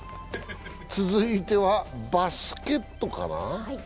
続いてはバスケットかな。